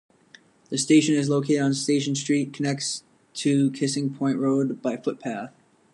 The station is located on Station Street, connects to Kissing Point Road by footpath.